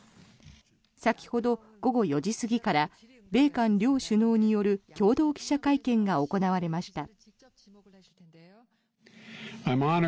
先ほど、午後４時過ぎから米韓両首脳による共同記者会見が行われました。